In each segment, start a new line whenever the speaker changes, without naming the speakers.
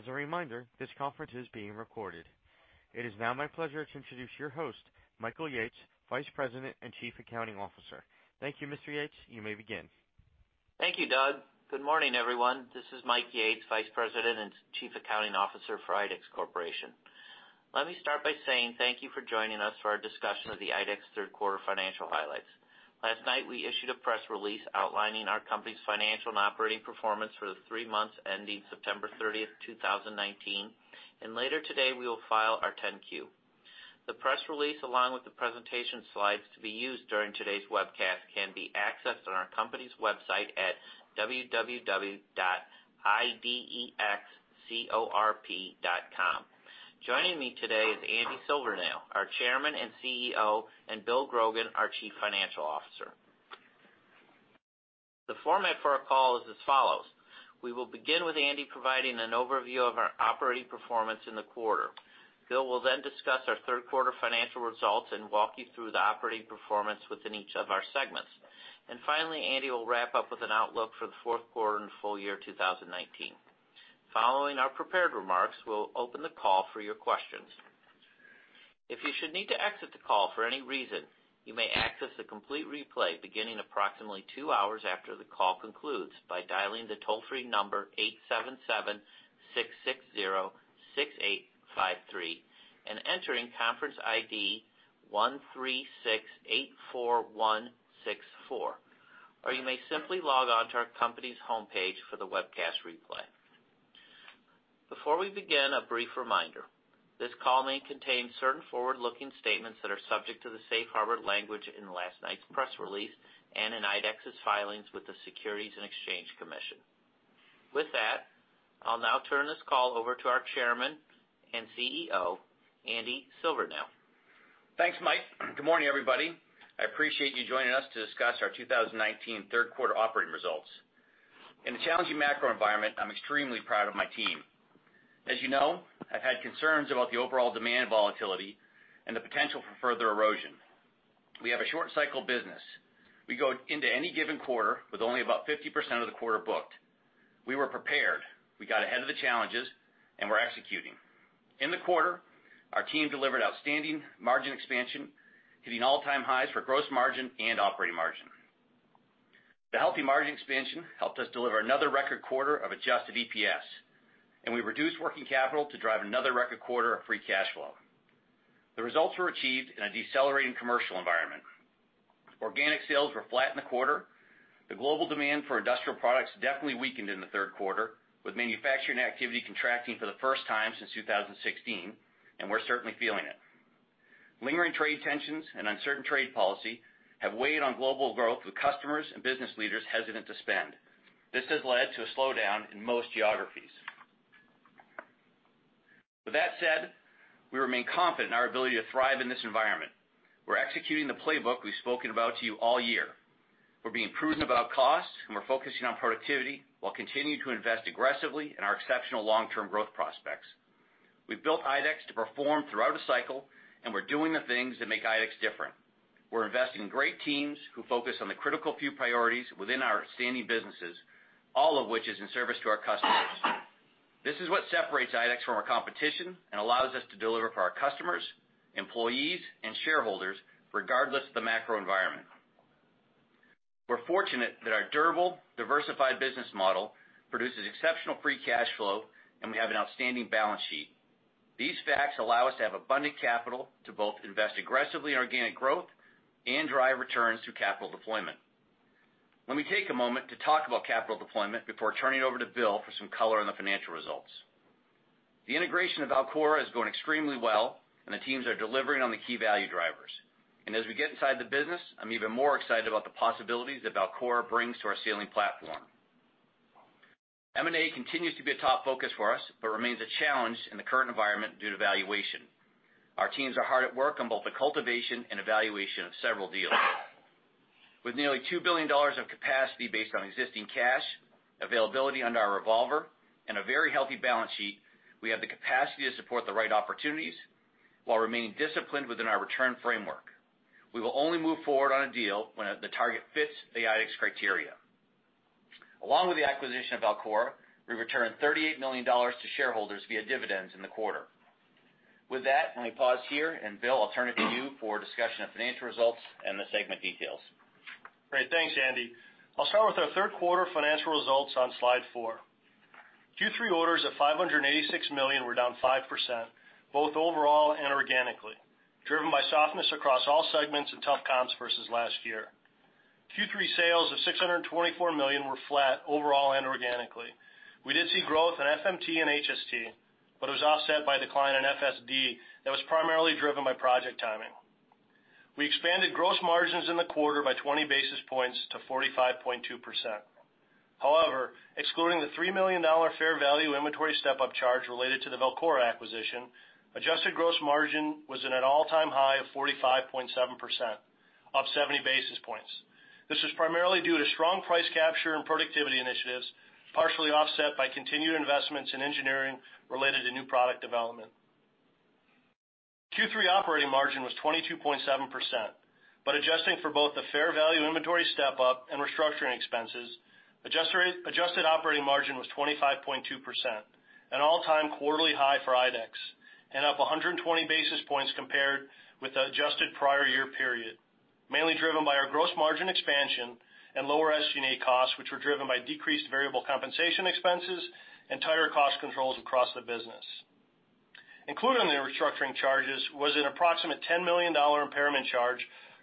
As a reminder, this conference is being recorded. It is now my pleasure to introduce your host, Michael Yates, Vice President and Chief Accounting Officer. Thank you, Mr. Yates. You may begin.
Thank you, Doug. Good morning, everyone. This is Mike Yates, Vice President and Chief Accounting Officer for IDEX Corporation. Let me start by saying thank you for joining us for our discussion of the IDEX third quarter financial highlights. Last night, we issued a press release outlining our company's financial and operating performance for the three months ending September 30th, 2019, and later today, we will file our 10-Q. The press release, along with the presentation slides to be used during today's webcast, can be accessed on our company's website at www.idexcorp.com. Joining me today is Andy Silvernail, our Chairman and CEO, and Bill Grogan, our Chief Financial Officer. The format for our call is as follows. We will begin with Andy providing an overview of our operating performance in the quarter. Bill will then discuss our third quarter financial results and walk you through the operating performance within each of our segments. Finally, Andy will wrap up with an outlook for the fourth quarter and full year 2019. Following our prepared remarks, we'll open the call for your questions. If you should need to exit the call for any reason, you may access the complete replay beginning approximately two hours after the call concludes by dialing the toll-free number 877-660-6853 and entering conference ID 13684164, or you may simply log on to our company's homepage for the webcast replay. Before we begin, a brief reminder. This call may contain certain forward-looking statements that are subject to the safe harbor language in last night's press release and in IDEX's filings with the Securities and Exchange Commission. With that, I'll now turn this call over to our Chairman and CEO, Andy Silvernail.
Thanks, Mike. Good morning, everybody. I appreciate you joining us to discuss our 2019 third quarter operating results. In a challenging macro environment, I'm extremely proud of my team. As you know, I've had concerns about the overall demand volatility and the potential for further erosion. We have a short cycle business. We go into any given quarter with only about 50% of the quarter booked. We were prepared. We got ahead of the challenges, and we're executing. In the quarter, our team delivered outstanding margin expansion, hitting all-time highs for gross margin and operating margin. The healthy margin expansion helped us deliver another record quarter of adjusted EPS, and we reduced working capital to drive another record quarter of free cash flow. The results were achieved in a decelerating commercial environment. Organic sales were flat in the quarter. The global demand for industrial products definitely weakened in the third quarter, with manufacturing activity contracting for the first time since 2016, and we're certainly feeling it. Lingering trade tensions and uncertain trade policy have weighed on global growth with customers and business leaders hesitant to spend. This has led to a slowdown in most geographies. With that said, we remain confident in our ability to thrive in this environment. We're executing the playbook we've spoken about to you all year. We're being prudent about costs, and we're focusing on productivity while continuing to invest aggressively in our exceptional long-term growth prospects. We've built IDEX to perform throughout a cycle, and we're doing the things that make IDEX different. We're investing in great teams who focus on the critical few priorities within our standing businesses, all of which is in service to our customers. This is what separates IDEX from our competition and allows us to deliver for our customers, employees, and shareholders, regardless of the macro environment. We're fortunate that our durable, diversified business model produces exceptional free cash flow, and we have an outstanding balance sheet. These facts allow us to have abundant capital to both invest aggressively in organic growth and drive returns through capital deployment. Let me take a moment to talk about capital deployment before turning it over to Bill for some color on the financial results. The integration of Velcora is going extremely well, and the teams are delivering on the key value drivers. As we get inside the business, I'm even more excited about the possibilities that Velcora brings to our sealing platform. M&A continues to be a top focus for us but remains a challenge in the current environment due to valuation. Our teams are hard at work on both the cultivation and evaluation of several deals. With nearly $2 billion of capacity based on existing cash, availability under our revolver, and a very healthy balance sheet, we have the capacity to support the right opportunities while remaining disciplined within our return framework. We will only move forward on a deal when the target fits the IDEX criteria. Along with the acquisition of Velcora, we returned $38 million to shareholders via dividends in the quarter. With that, let me pause here. Bill, I'll turn it to you for a discussion of financial results and the segment details.
Great. Thanks, Andy. I'll start with our third quarter financial results on slide four. Q3 orders of $586 million were down 5%, both overall and organically, driven by softness across all segments and tough comps versus last year. Q3 sales of $624 million were flat overall and organically. We did see growth in FMT and HST, but it was offset by decline in FSD that was primarily driven by project timing. We expanded gross margins in the quarter by 20 basis points to 45.2%. However, excluding the $3 million fair value inventory step-up charge related to the Velcora acquisition, adjusted gross margin was at an all-time high of 45.7%, up 70 basis points. This was primarily due to strong price capture and productivity initiatives, partially offset by continued investments in engineering related to new product development. Q3 operating margin was 22.7%. Adjusting for both the fair value inventory step-up and restructuring expenses, adjusted operating margin was 25.2%, an all-time quarterly high for IDEX, and up 120 basis points compared with the adjusted prior year period, mainly driven by our gross margin expansion and lower SG&A costs, which were driven by decreased variable compensation expenses and tighter cost controls across the business. Included in the restructuring charges was an approximate $10 million impairment charge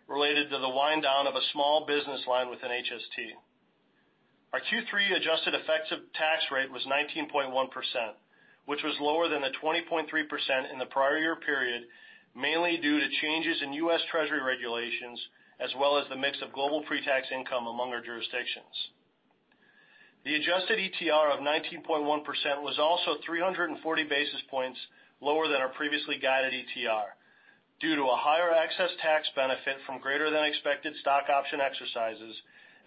related to the wind-down of a small business line within HST. Our Q3 adjusted effective tax rate was 19.1%, which was lower than the 20.3% in the prior year period, mainly due to changes in U.S. Treasury regulations, as well as the mix of global pre-tax income among our jurisdictions. The adjusted ETR of 19.1% was also 340 basis points lower than our previously guided ETR due to a higher excess tax benefit from greater than expected stock option exercises,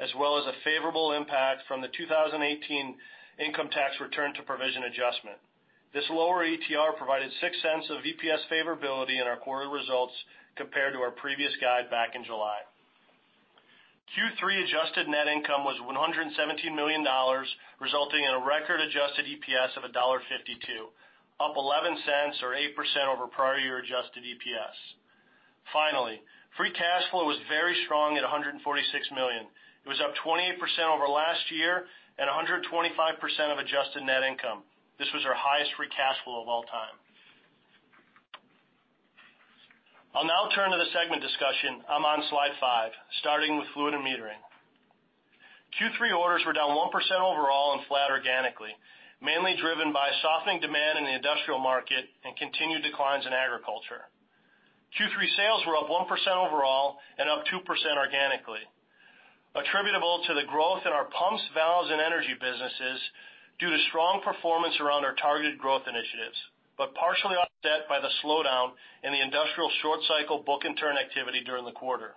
as well as a favorable impact from the 2018 income tax return to provision adjustment. This lower ETR provided $0.06 of EPS favorability in our quarter results compared to our previous guide back in July. Q3 adjusted net income was $117 million, resulting in a record adjusted EPS of $1.52, up $0.11 or 8% over prior year adjusted EPS. Finally, free cash flow was very strong at $146 million. It was up 28% over last year and 125% of adjusted net income. This was our highest free cash flow of all time. I'll now turn to the segment discussion. I'm on slide five, starting with Fluid & Metering. Q3 orders were down 1% overall and flat organically, mainly driven by a softening demand in the industrial market and continued declines in agriculture. Q3 sales were up 1% overall and up 2% organically, attributable to the growth in our pumps, valves, and energy businesses due to strong performance around our targeted growth initiatives, partially offset by the slowdown in the industrial short cycle book and turn activity during the quarter.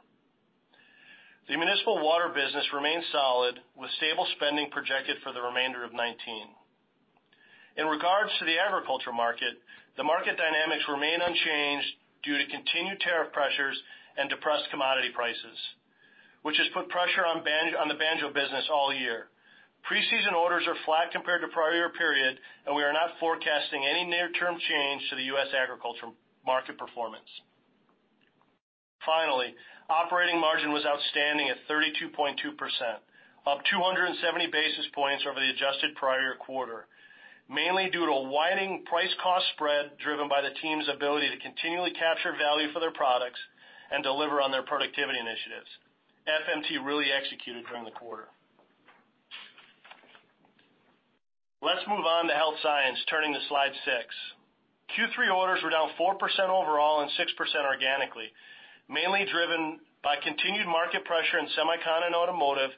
The municipal water business remains solid, with stable spending projected for the remainder of 2019. In regards to the agriculture market, the market dynamics remain unchanged due to continued tariff pressures and depressed commodity prices, which has put pressure on the Banjo business all year. Pre-season orders are flat compared to prior year period. We are not forecasting any near-term change to the U.S. agricultural market performance. Operating margin was outstanding at 32.2%, up 270 basis points over the adjusted prior year quarter, mainly due to a widening price-cost spread driven by the team's ability to continually capture value for their products and deliver on their productivity initiatives. FMT really executed during the quarter. Let's move on to health science, turning to slide six. Q3 orders were down 4% overall and 6% organically, mainly driven by continued market pressure in semicon and automotive,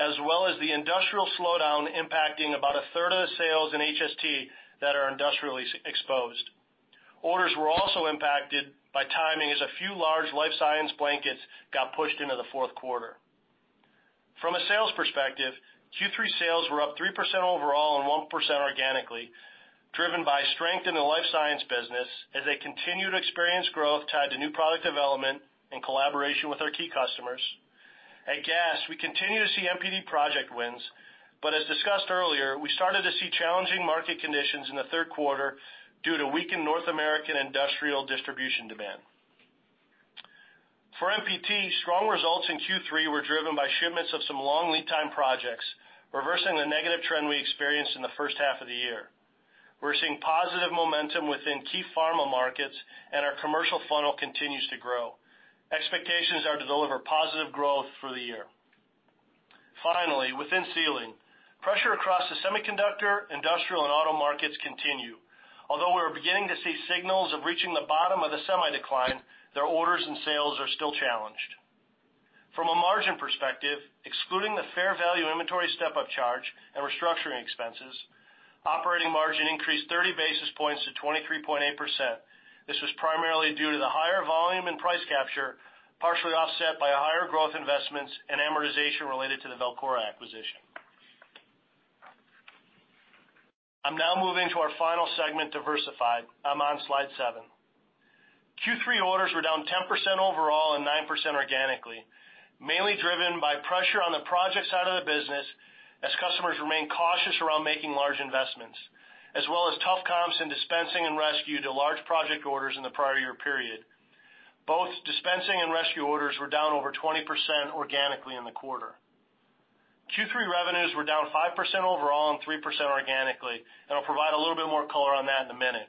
as well as the industrial slowdown impacting about a third of the sales in HST that are industrially exposed. Orders were also impacted by timing, as a few large life science blankets got pushed into the fourth quarter. From a sales perspective, Q3 sales were up 3% overall and 1% organically, driven by strength in the life science business as they continue to experience growth tied to new product development and collaboration with our key customers. At Gast, we continue to see MPD project wins, as discussed earlier, we started to see challenging market conditions in the third quarter due to weakened North American industrial distribution demand. For MPT, strong results in Q3 were driven by shipments of some long lead time projects, reversing the negative trend we experienced in the first half of the year. Expectations are to deliver positive growth through the year. Within Sealing, pressure across the semiconductor, industrial, and auto markets continue. Although we are beginning to see signals of reaching the bottom of the semi decline, their orders and sales are still challenged. From a margin perspective, excluding the fair value inventory step-up charge and restructuring expenses, operating margin increased 30 basis points to 23.8%. This was primarily due to the higher volume and price capture, partially offset by higher growth investments and amortization related to the Velcora acquisition. I'm now moving to our final segment, diversified. I'm on slide seven. Q3 orders were down 10% overall and 9% organically, mainly driven by pressure on the project side of the business as customers remain cautious around making large investments, as well as tough comps in dispensing and rescue to large project orders in the prior year period. Both dispensing and rescue orders were down over 20% organically in the quarter. Q3 revenues were down 5% overall and 3% organically. I'll provide a little bit more color on that in a minute.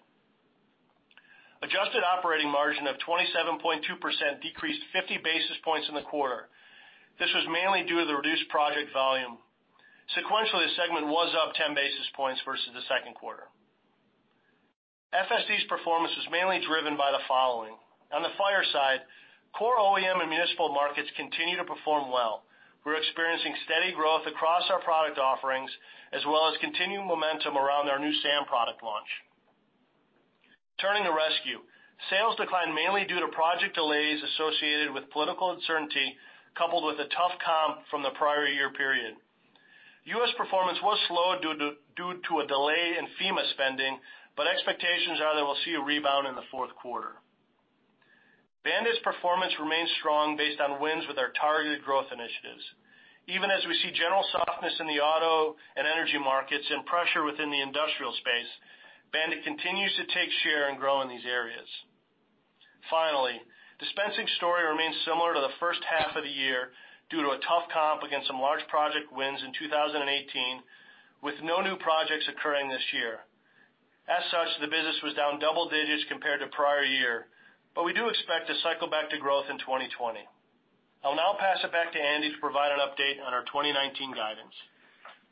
Adjusted operating margin of 27.2% decreased 50 basis points in the quarter. This was mainly due to the reduced project volume. Sequentially, the segment was up 10 basis points versus the second quarter. FSD's performance was mainly driven by the following. On the fire side, core OEM and municipal markets continue to perform well. We're experiencing steady growth across our product offerings, as well as continuing momentum around our new SAM product launch. Turning to rescue. Sales declined mainly due to project delays associated with political uncertainty, coupled with a tough comp from the prior year period. U.S. performance was slow due to a delay in FEMA spending. Expectations are that we'll see a rebound in the fourth quarter. BAND-IT's performance remains strong based on wins with our targeted growth initiatives. Even as we see general softness in the auto and energy markets, and pressure within the industrial space, BAND-IT continues to take share and grow in these areas. Finally, dispensing story remains similar to the first half of the year due to a tough comp against some large project wins in 2018, with no new projects occurring this year. As such, the business was down double digits compared to prior year, but we do expect to cycle back to growth in 2020. I'll now pass it back to Andy to provide an update on our 2019 guidance.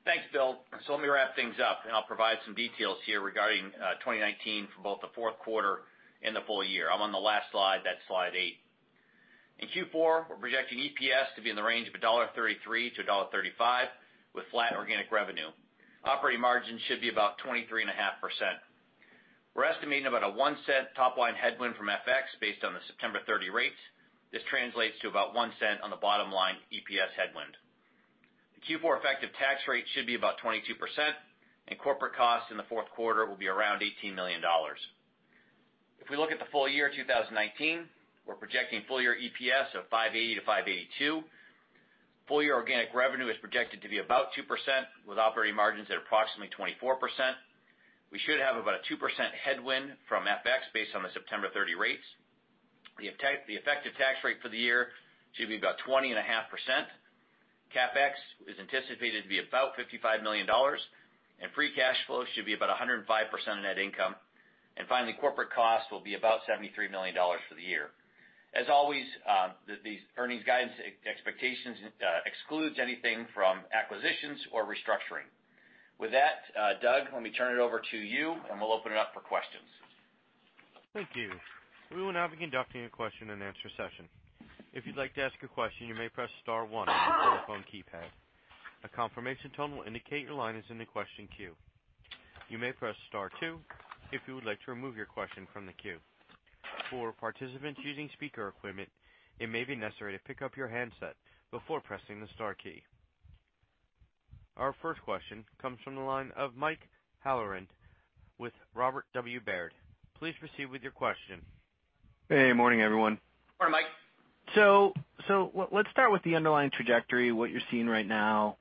Thanks, Bill. Let me wrap things up, and I'll provide some details here regarding 2019 for both the fourth quarter and the full year. I'm on the last slide. That's slide eight. In Q4, we're projecting EPS to be in the range of $1.33-$1.35 with flat organic revenue. Operating margin should be about 23.5%. We're estimating about a $0.01 top-line headwind from FX based on the September 30 rates. This translates to about $0.01 on the bottom line EPS headwind. The Q4 effective tax rate should be about 22%, and corporate costs in the fourth quarter will be around $18 million. If we look at the full year 2019, we're projecting full year EPS of $5.80-$5.82. Full year organic revenue is projected to be about 2% with operating margins at approximately 24%. We should have about a 2% headwind from FX based on the September 30 rates. The effective tax rate for the year should be about 20.5%. CapEx is anticipated to be about $55 million. Free cash flow should be about 105% of net income. Finally, corporate costs will be about $73 million for the year. As always, these earnings guidance expectations excludes anything from acquisitions or restructuring. With that, Doug, let me turn it over to you. We'll open it up for questions.
Thank you. We will now be conducting a question and answer session. If you'd like to ask a question, you may press star 1 on your telephone keypad. A confirmation tone will indicate your line is in the question queue. You may press star 2 if you would like to remove your question from the queue. For participants using speaker equipment, it may be necessary to pick up your handset before pressing the star key. Our first question comes from the line of Mike Halloran with Robert W. Baird. Please proceed with your question.
Hey, morning, everyone.
Morning, Mike.
Let's start with the underlying trajectory, what you're seeing right now.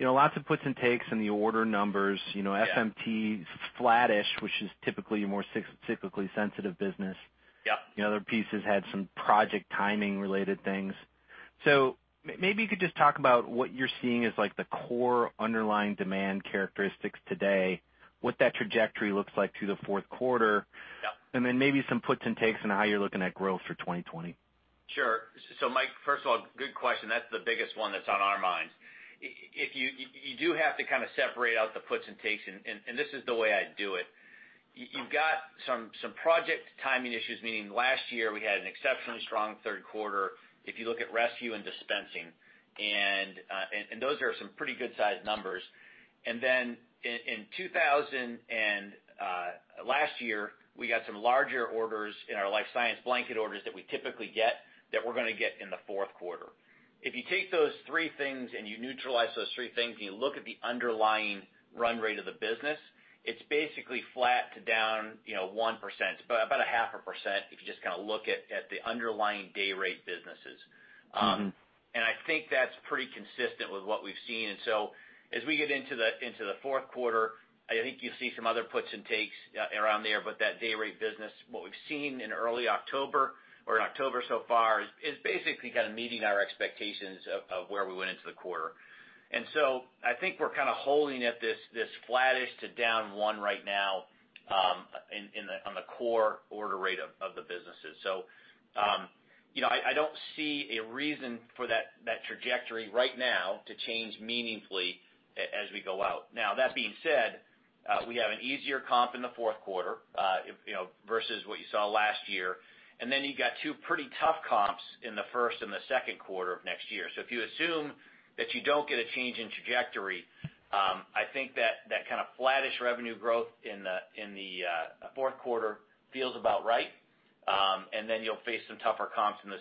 Lots of puts and takes in the order numbers.
Yeah.
FMT flattish, which is typically a more cyclically sensitive business.
Yep.
The other pieces had some project timing related things. Maybe you could just talk about what you're seeing as like the core underlying demand characteristics today, what that trajectory looks like through the fourth quarter?
Yep.
Maybe some puts and takes on how you're looking at growth for 2020.
Sure. Mike, first of all, good question. That's the biggest one that's on our minds. You do have to kind of separate out the puts and takes, and this is the way I'd do it. You've got some project timing issues, meaning last year we had an exceptionally strong third quarter if you look at rescue and dispensing, and those are some pretty good-sized numbers. In 2000 and last year, we got some larger orders in our life science blanket orders that we typically get, that we're gonna get in the fourth quarter. If you take those three things and you neutralize those three things, and you look at the underlying run rate of the business, it's basically flat to down 1%, about 0.5% if you just kind of look at the underlying day rate businesses. I think that's pretty consistent with what we've seen. As we get into the fourth quarter, I think you'll see some other puts and takes around there. That day rate business, what we've seen in early October, or in October so far, is basically kind of meeting our expectations of where we went into the quarter. I think we're kind of holding at this flattish to down one right now on the core order rate of the businesses. I don't see a reason for that trajectory right now to change meaningfully as we go out. Now that being said, we have an easier comp in the fourth quarter versus what you saw last year, and then you've got two pretty tough comps in the first and the second quarter of next year. If you assume that you don't get a change in trajectory, I think that kind of flattish revenue growth in the fourth quarter feels about right. Then you'll face some tougher comps in the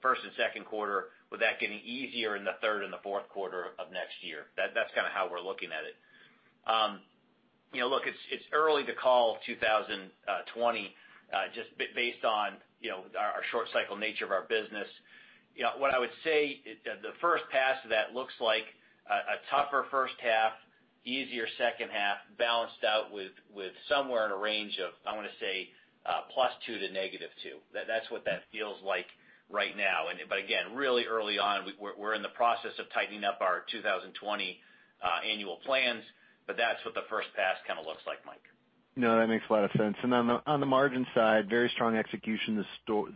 first and second quarter, with that getting easier in the third and the fourth quarter of next year. That's kind of how we're looking at it. Look, it's early to call 2020 just based on our short cycle nature of our business. What I would say, the first pass of that looks like a tougher first half, easier second half, balanced out with somewhere in a range of, I want to say, +2 to -2. That's what that feels like right now. Again, really early on. We're in the process of tightening up our 2020 annual plans, but that's what the first pass kind of looks like, Mike.
No, that makes a lot of sense. On the margin side, very strong execution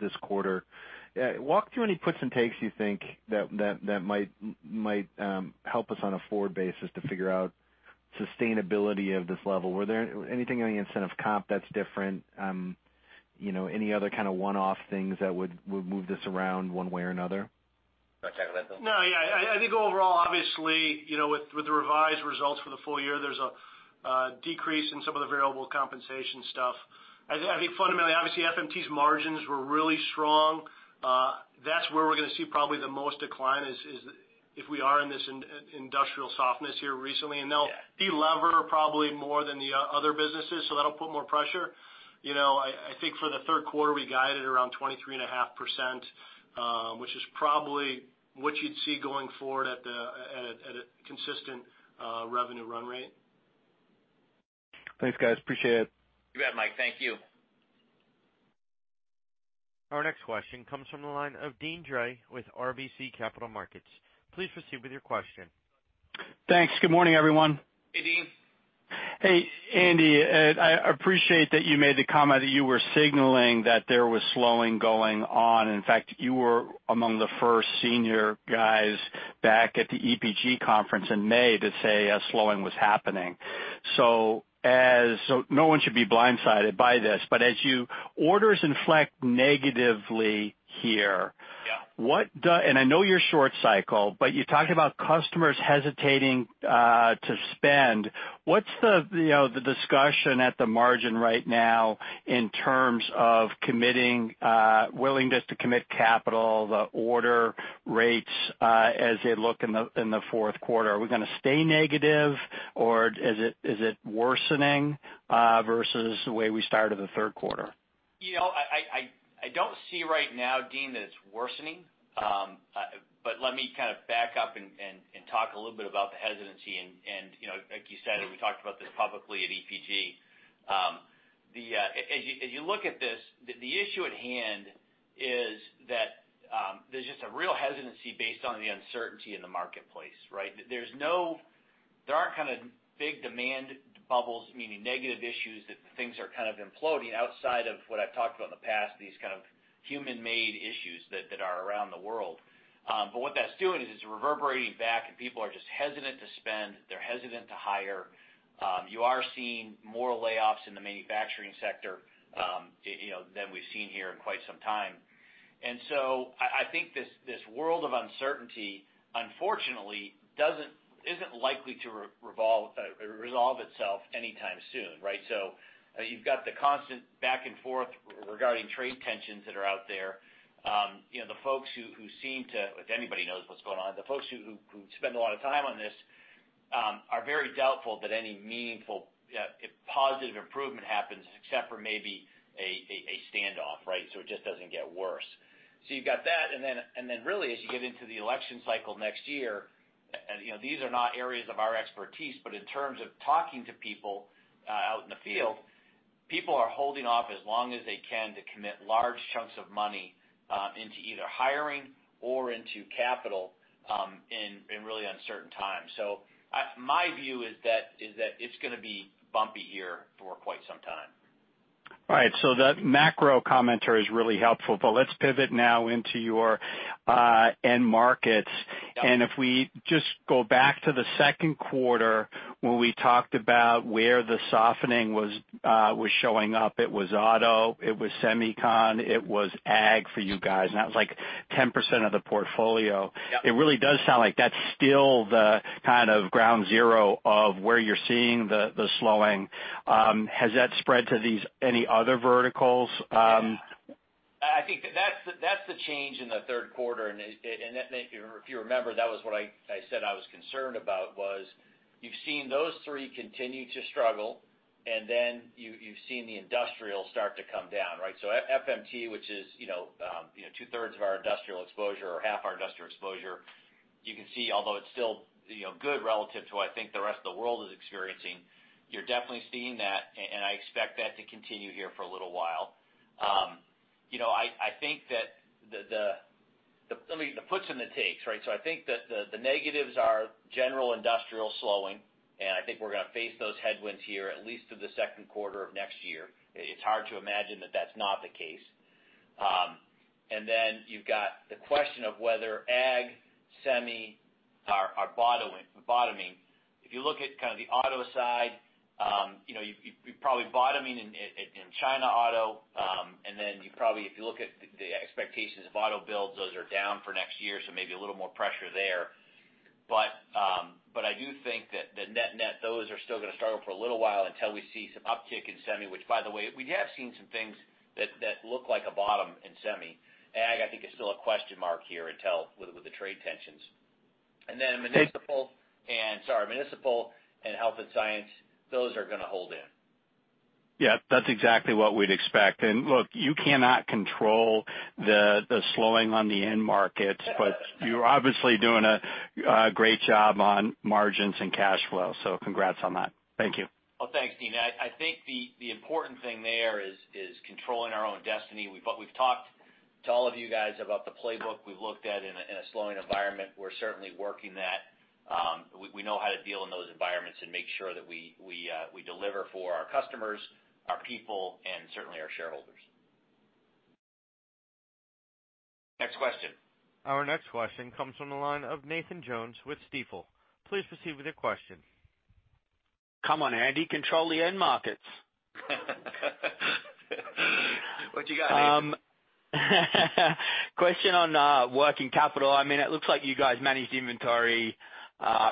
this quarter. Walk through any puts and takes you think that might help us on a forward basis to figure out sustainability of this level. Were there any incentive comp that's different? Any other kind of one-off things that would move this around one way or another?
Want to tackle that, Bill?
No, yeah. I think overall, obviously, with the revised results for the full year, there's a. A decrease in some of the variable compensation stuff. I think fundamentally, obviously FMT's margins were really strong. That's where we're going to see probably the most decline is if we are in this industrial softness here recently, and they'll de-lever probably more than the other businesses, so that'll put more pressure. I think for the third quarter, we guided around 23.5%, which is probably what you'd see going forward at a consistent revenue run rate.
Thanks, guys. Appreciate it.
You bet, Mike. Thank you.
Our next question comes from the line of Deane Dray with RBC Capital Markets. Please proceed with your question.
Thanks. Good morning, everyone.
Hey, Deane.
Hey, Andy. I appreciate that you made the comment that you were signaling that there was slowing going on. In fact, you were among the first senior guys back at the EPG conference in May to say a slowing was happening. No one should be blindsided by this. As you orders inflect negatively here.
Yeah
I know you're short cycle, but you talked about customers hesitating to spend. What's the discussion at the margin right now in terms of willingness to commit capital, the order rates as they look in the fourth quarter? Are we going to stay negative, or is it worsening versus the way we started the third quarter?
I don't see right now, Deane, that it's worsening.
Okay.
Let me kind of back up and talk a little bit about the hesitancy, and like you said, and we talked about this publicly at EPG. As you look at this, the issue at hand is that there's just a real hesitancy based on the uncertainty in the marketplace, right? There aren't kind of big demand bubbles, meaning negative issues that things are kind of imploding outside of what I've talked about in the past, these kind of human-made issues that are around the world. What that's doing is it's reverberating back, and people are just hesitant to spend. They're hesitant to hire. You are seeing more layoffs in the manufacturing sector than we've seen here in quite some time. I think this world of uncertainty, unfortunately, isn't likely to resolve itself anytime soon, right? You've got the constant back and forth regarding trade tensions that are out there. The folks who seem to, if anybody knows what's going on, the folks who spend a lot of time on this are very doubtful that any meaningful positive improvement happens except for maybe a standoff, right? It just doesn't get worse. You've got that, and then really, as you get into the election cycle next year, these are not areas of our expertise, but in terms of talking to people out in the field, people are holding off as long as they can to commit large chunks of money into either hiring or into capital in really uncertain times. My view is that it's going to be bumpy here for quite some time.
All right. That macro commentary is really helpful, but let's pivot now into your end markets.
Yeah.
If we just go back to the second quarter when we talked about where the softening was showing up. It was auto, it was semicon, it was ag for you guys, and that was like 10% of the portfolio.
Yeah.
It really does sound like that's still the kind of ground zero of where you're seeing the slowing. Has that spread to any other verticals?
I think that's the change in the third quarter. If you remember, that was what I said I was concerned about was you've seen those three continue to struggle, and then you've seen the industrial start to come down, right? FMT, which is two-thirds of our industrial exposure or half our industrial exposure, you can see, although it's still good relative to I think the rest of the world is experiencing, you're definitely seeing that. I expect that to continue here for a little while. I think that the puts and the takes, right? I think that the negatives are general industrial slowing. I think we're going to face those headwinds here at least through the second quarter of next year. It's hard to imagine that that's not the case. You've got the question of whether ag, semicon are bottoming. If you look at kind of the auto side you're probably bottoming in China auto, then you probably, if you look at the expectations of auto builds, those are down for next year, so maybe a little more pressure there. I do think that net, those are still going to struggle for a little while until we see some uptick in semi, which by the way, we have seen some things that look like a bottom in semi. Ag, I think is still a question mark here until with the trade tensions. Then municipal and health and science, those are going to hold in.
Yeah. That's exactly what we'd expect. Look, you cannot control the slowing on the end markets, but you're obviously doing a great job on margins and cash flow. Congrats on that. Thank you.
Well, thanks, Deane. I think the important thing there is controlling our own destiny. We've talked to all of you guys about the playbook we've looked at in a slowing environment. We're certainly working that. We know how to deal in those environments and make sure that we deliver for our customers, our people, and certainly our shareholders. Next question.
Our next question comes from the line of Nathan Jones with Stifel. Please proceed with your question.
Come on, Andy, control the end markets.
What you got, Nathan?
Question on working capital. It looks like you guys managed inventory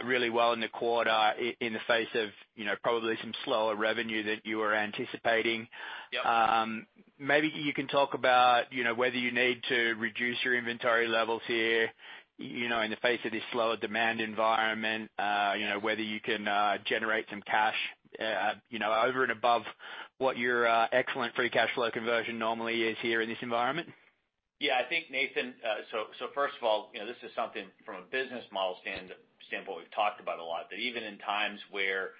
really well in the quarter in the face of probably some slower revenue than you were anticipating.
Yep.
Maybe you can talk about whether you need to reduce your inventory levels here in the face of this slower demand environment, whether you can generate some cash over and above what your excellent free cash flow conversion normally is here in this environment.
I think, Nathan, first of all, this is something from a business model standpoint we've talked about a lot. That even in times where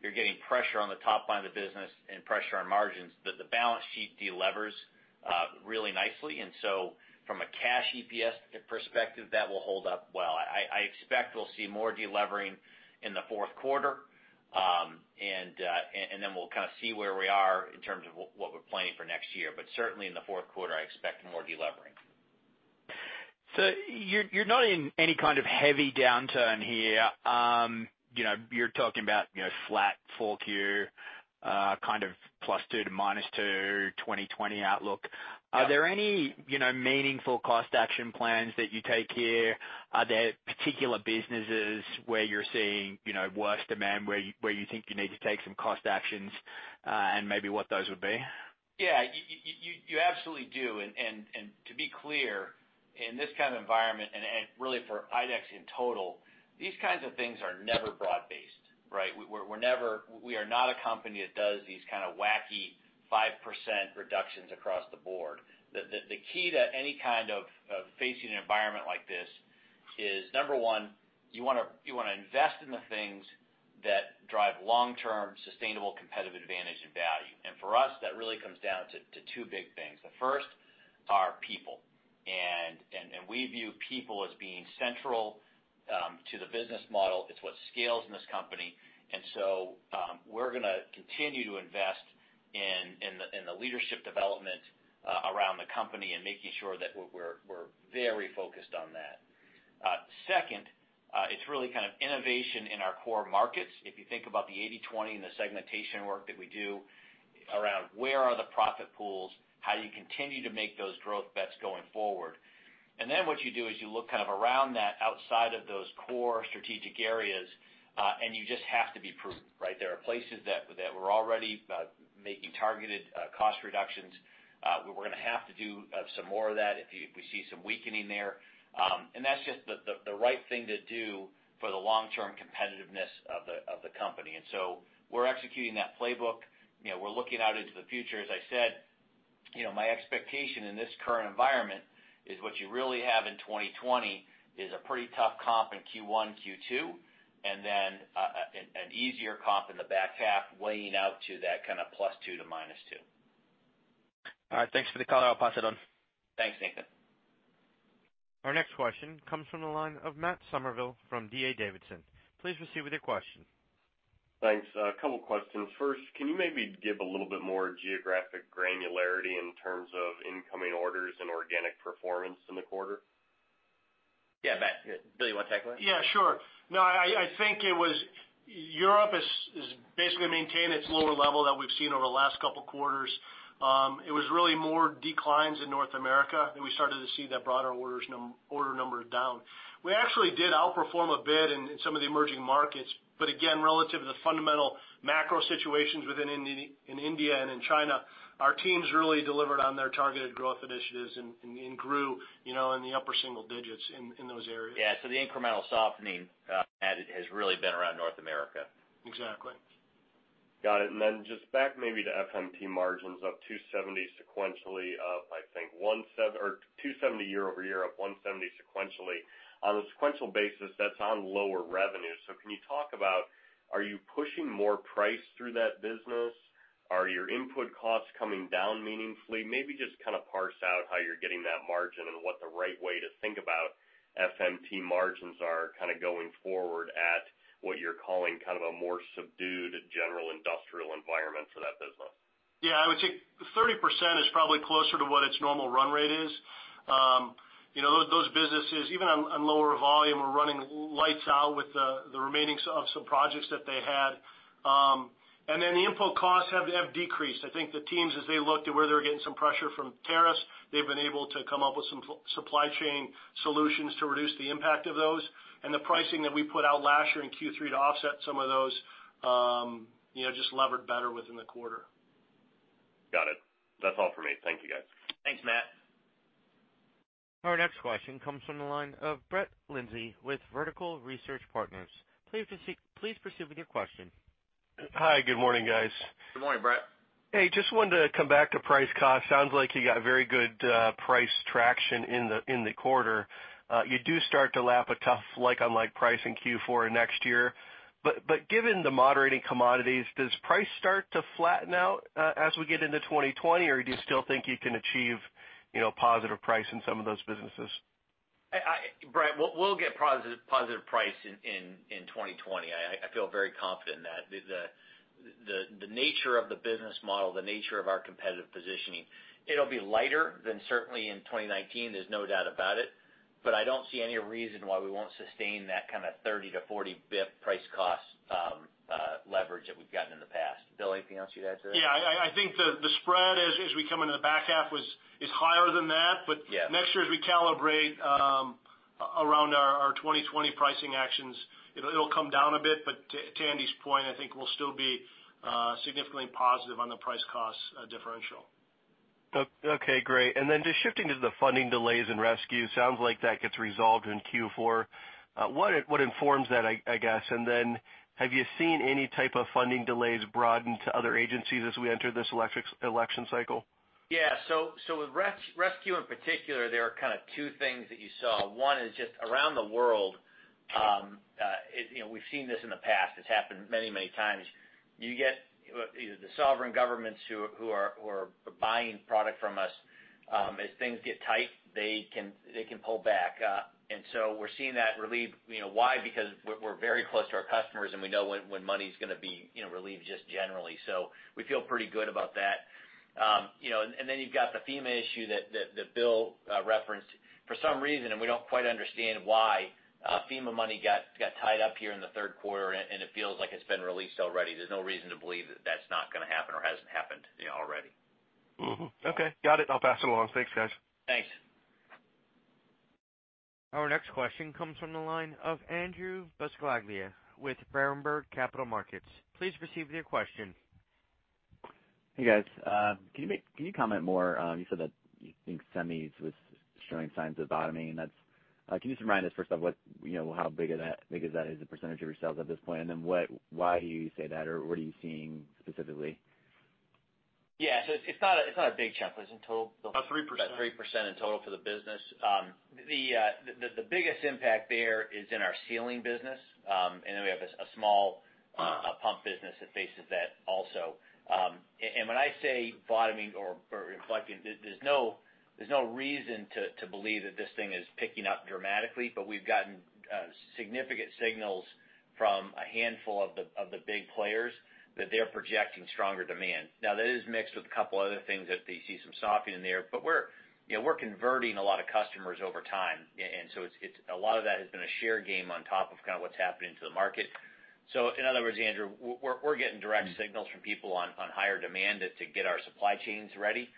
you're getting pressure on the top line of the business and pressure on margins, that the balance sheet de-levers really nicely. From a cash EPS perspective, that will hold up well. I expect we'll see more de-levering in the fourth quarter. We'll kind of see where we are in terms of what we're planning for next year. Certainly in the fourth quarter, I expect more de-levering.
You're not in any kind of heavy downturn here. You're talking about flat full Q, kind of plus two to minus two 2020 outlook.
Yeah.
Are there any meaningful cost action plans that you take here? Are there particular businesses where you're seeing worse demand, where you think you need to take some cost actions, and maybe what those would be?
You absolutely do. To be clear, in this kind of environment, and really for IDEX in total, these kinds of things are never broad-based, right? We are not a company that does these kind of wacky 5% reductions across the board. The key to any kind of facing an environment like this is, number one, you want to invest in the things that drive long-term, sustainable competitive advantage and value. For us, that really comes down to two big things. The first are people. We view people as being central to the business model. It's what scales in this company. We're going to continue to invest in the leadership development around the company and making sure that we're very focused on that. Second, it's really kind of innovation in our core markets. If you think about the 80/20 and the segmentation work that we do around where are the profit pools, how do you continue to make those growth bets going forward? What you do is you look kind of around that outside of those core strategic areas, and you just have to be prudent, right? There are places that we're already making targeted cost reductions. We're going to have to do some more of that if we see some weakening there. That's just the right thing to do for the long-term competitiveness of the company. We're executing that playbook. We're looking out into the future. As I said, my expectation in this current environment is what you really have in 2020 is a pretty tough comp in Q1, Q2, and then an easier comp in the back half laying out to that kind of +2% to -2%.
All right. Thanks for the color. I'll pass it on.
Thanks, Nathan.
Our next question comes from the line of Matt Summerville from D.A. Davidson. Please proceed with your question.
Thanks. A couple questions. First, can you maybe give a little bit more geographic granularity in terms of incoming orders and organic performance in the quarter?
Yeah, Matt. Billy, you want to take that?
Yeah, sure. No, I think Europe has basically maintained its lower level that we've seen over the last couple of quarters. It was really more declines in North America, and we started to see that broader order number down. We actually did outperform a bit in some of the emerging markets, but again, relative to the fundamental macro situations within India and in China, our teams really delivered on their targeted growth initiatives and grew in the upper single digits in those areas.
Yeah. The incremental softening, Matt, has really been around North America.
Exactly.
Got it. Then just back maybe to FMT margins up 270 sequentially up, I think, or 270 year-over-year, up 170 sequentially. On a sequential basis, that's on lower revenue. Can you talk about are you pushing more price through that business? Are your input costs coming down meaningfully? Maybe just kind of parse out how you're getting that margin and what the right way to think about FMT margins are kind of going forward at what you're calling kind of a more subdued general industrial environment for that business.
Yeah, I would say 30% is probably closer to what its normal run rate is. Those businesses, even on lower volume, are running lights out with the remaining of some projects that they had. The input costs have decreased. I think the teams, as they looked at where they were getting some pressure from tariffs, they've been able to come up with some supply chain solutions to reduce the impact of those. The pricing that we put out last year in Q3 to offset some of those just levered better within the quarter.
Got it. That's all for me. Thank you, guys.
Thanks, Matt.
Our next question comes from the line of Brett Linzey with Vertical Research Partners. Please proceed with your question.
Hi. Good morning, guys.
Good morning, Brett.
Hey, just wanted to come back to price cost. Sounds like you got very good price traction in the quarter. You do start to lap a tough like-on-like price in Q4 next year. Given the moderating commodities, does price start to flatten out as we get into 2020? Or do you still think you can achieve positive price in some of those businesses?
Brett Linzey, we'll get positive price in 2020. I feel very confident in that. The nature of the business model, the nature of our competitive positioning, it'll be lighter than certainly in 2019. There's no doubt about it. I don't see any reason why we won't sustain that kind of 30-40 bip price costleverage that we've gotten in the past. Bill, anything else you'd add to that?
Yeah, I think the spread as we come into the back half is higher than that.
Yeah.
Next year as we calibrate around our 2020 pricing actions, it'll come down a bit, but to Andy's point, I think we'll still be significantly positive on the price cost differential.
Okay, great. Just shifting to the funding delays in rescue, sounds like that gets resolved in Q4. What informs that, I guess? Have you seen any type of funding delays broaden to other agencies as we enter this election cycle?
Yeah. With rescue in particular, there are kind of two things that you saw. One is just around the world. We've seen this in the past. It's happened many times. You get either the sovereign governments who are buying product from us, as things get tight, they can pull back. We're seeing that relieve. Why? Because we're very close to our customers, and we know when money's going to be relieved just generally. We feel pretty good about that. You've got the FEMA issue that Bill referenced. For some reason, and we don't quite understand why, FEMA money got tied up here in the third quarter, and it feels like it's been released already. There's no reason to believe that that's not going to happen or hasn't happened already.
Okay, got it. I'll pass it along. Thanks, guys.
Thanks.
Our next question comes from the line of Andrew Bisceglia with Berenberg Capital Markets. Please proceed with your question.
Hey, guys. Can you comment more? You said that you think semis was showing signs of bottoming. Can you just remind us first of how big of that is the percentage of your sales at this point? Then why do you say that, or what are you seeing specifically?
Yeah. It's not a big chunk. What was it, Bill?
About 3%.
About 3% in total for the business. The biggest impact there is in our ceiling business. Then we have a small pump business that faces that also. When I say bottoming or reflecting, there's no reason to believe that this thing is picking up dramatically, but we've gotten significant signals from a handful of the big players that they're projecting stronger demand. Now, that is mixed with a couple other things that they see some softening there, but we're converting a lot of customers over time. So a lot of that has been a share game on top of kind of what's happening to the market. In other words, Andrew, we're getting direct signals from people on higher demand to get our supply chains ready.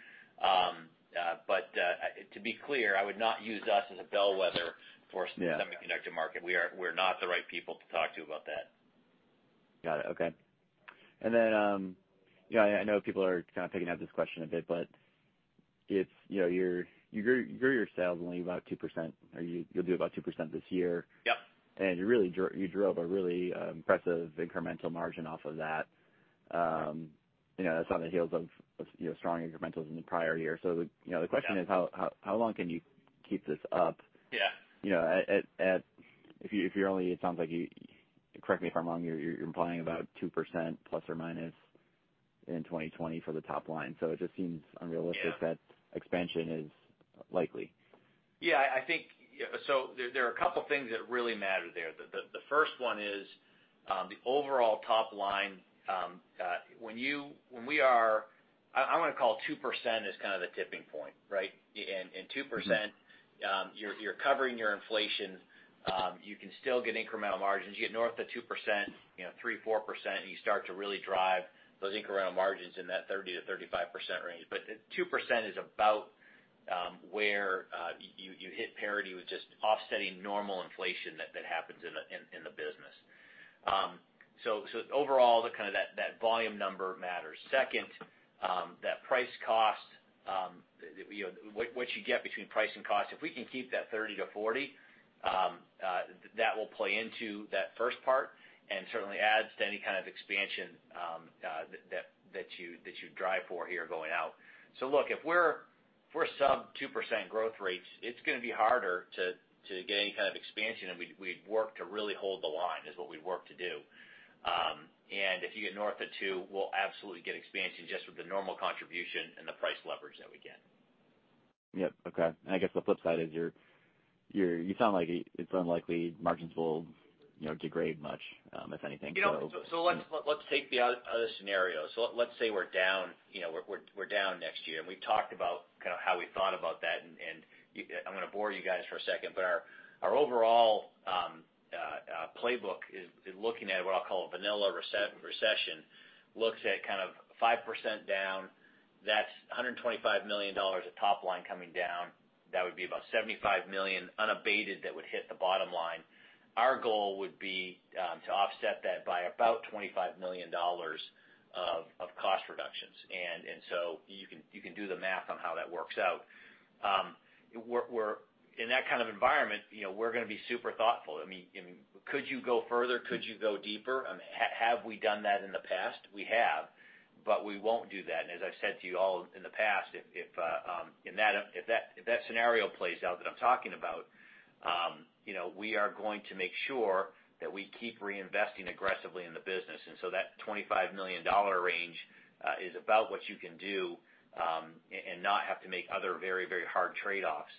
To be clear, I would not use us as a bellwether for-
Yeah
the semiconductor market. We're not the right people to talk to about that.
Got it. Okay. I know people are kind of picking at this question a bit, but your sales are only about 2%, or you'll do about 2% this year.
Yep.
You drove a really impressive incremental margin off of that. That's on the heels of strong incrementals in the prior year. The question is, how long can you keep this up?
Yeah.
If you're only, it sounds like you, correct me if I'm wrong, you're implying about 2% plus or minus in 2020 for the top line. It just seems unrealistic.
Yeah
that expansion is likely.
Yeah. There are a couple things that really matter there. The first one is the overall top line. I'm going to call 2% as kind of the tipping point, right? 2%, you're covering your inflation. You can still get incremental margins. You get north of 2%, 3%, 4%, and you start to really drive those incremental margins in that 30%-35% range. 2% is about where you hit parity with just offsetting normal inflation that happens in the business. Overall, kind of that volume number matters. Second, that price cost, what you get between price and cost, if we can keep that 30%-40%, that will play into that first part and certainly adds to any kind of expansion that you'd drive for here going out. Look, if we're sub 2% growth rates, it's going to be harder to get any kind of expansion, and we'd work to really hold the line, is what we'd work to do. If you get north of 2%, we'll absolutely get expansion just with the normal contribution and the price leverage that we get.
Yep. Okay. I guess the flip side is you sound like it's unlikely margins will degrade much, if anything.
Let's take the other scenario. Let's say we're down next year, we've talked about kind of how we thought about that, I'm going to bore you guys for a second, our overall playbook is looking at what I'll call a vanilla recession. Looks at kind of 5% down. That's $125 million of top line coming down. That would be about $75 million unabated that would hit the bottom line. Our goal would be to offset that by about $25 million of cost reductions. You can do the math on how that works out. In that kind of environment, we're going to be super thoughtful. Could you go further? Could you go deeper? Have we done that in the past? We have, we won't do that. As I've said to you all in the past, if that scenario plays out that I'm talking about, we are going to make sure that we keep reinvesting aggressively in the business. That $25 million range is about what you can do and not have to make other very hard trade-offs.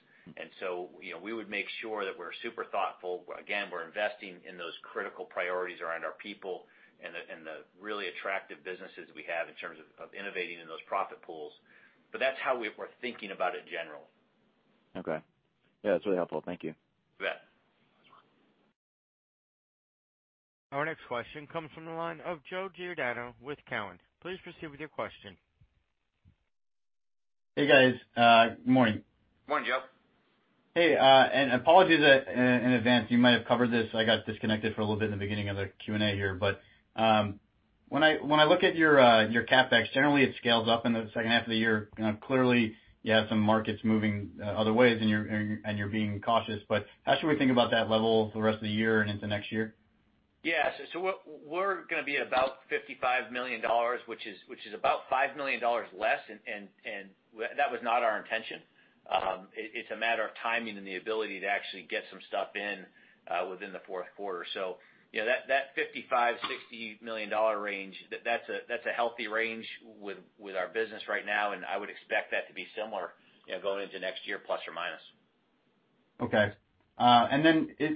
We would make sure that we're super thoughtful. Again, we're investing in those critical priorities around our people and the really attractive businesses we have in terms of innovating in those profit pools. That's how we're thinking about it generally.
Okay. Yeah, that's really helpful. Thank you.
You bet.
Our next question comes from the line of Joseph Giordano with Cowen. Please proceed with your question.
Hey, guys. Morning.
Morning, Joe.
Hey, apologies in advance. You might have covered this. I got disconnected for a little bit in the beginning of the Q&A here. When I look at your CapEx, generally it scales up in the second half of the year. Clearly you have some markets moving other ways and you're being cautious. How should we think about that level for the rest of the year and into next year?
Yeah. We're going to be at about $55 million, which is about $5 million less, and that was not our intention. It's a matter of timing and the ability to actually get some stuff in within the fourth quarter. That $55 million-$60 million range, that's a healthy range with our business right now, and I would expect that to be similar going into next year, plus or minus.
Okay.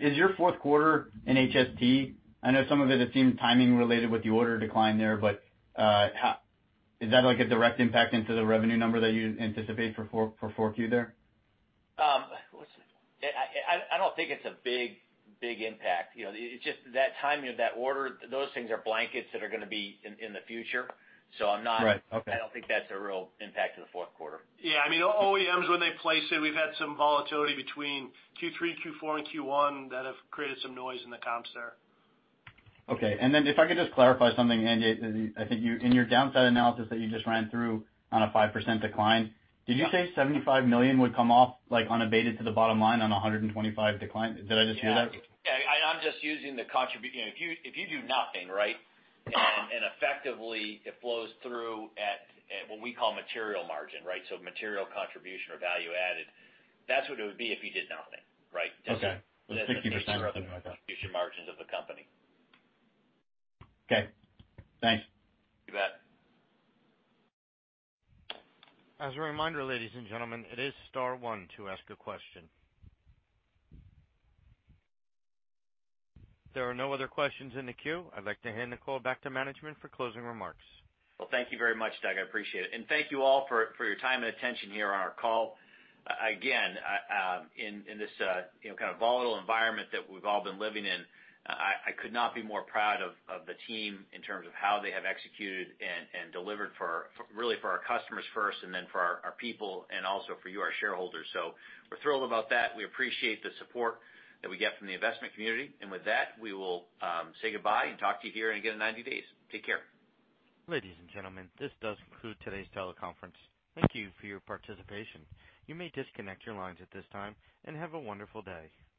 Is your fourth quarter in HST? I know some of it seems timing related with the order decline there, but is that a direct impact into the revenue number that you anticipate for 4Q there?
I don't think it's a big impact. It's just that timing of that order. Those things are blankets that are going to be in the future.
Right. Okay.
I don't think that's a real impact to the fourth quarter.
Yeah, OEMs, when they place it, we've had some volatility between Q3, Q4, and Q1 that have created some noise in the comps there.
Okay. Then if I could just clarify something, Andy, I think in your downside analysis that you just ran through on a 5% decline, did you say $75 million would come off unabated to the bottom line on 125 decline? Did I just hear that?
Yeah. I'm just using the contribution. If you do nothing, and effectively it flows through at what we call material margin, so material contribution or value added. That's what it would be if you did nothing.
Okay.
The future margins of the company.
Okay. Thanks.
You bet.
As a reminder, ladies and gentlemen, it is star one to ask a question. There are no other questions in the queue. I'd like to hand the call back to management for closing remarks.
Thank you very much, Doug. I appreciate it. Thank you all for your time and attention here on our call. Again, in this kind of volatile environment that we've all been living in, I could not be more proud of the team in terms of how they have executed and delivered really for our customers first, and then for our people, and also for you, our shareholders. We're thrilled about that. We appreciate the support that we get from the investment community. With that, we will say goodbye and talk to you here again in 90 days. Take care.
Ladies and gentlemen, this does conclude today's teleconference. Thank you for your participation. You may disconnect your lines at this time, and have a wonderful day.